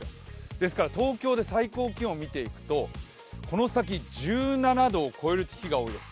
ですから東京で最高気温を見ていくとこの先、１７度を超える日が多いんです。